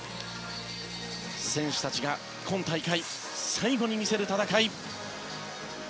選手たちが今大会最後に見せる戦い。